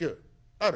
ある？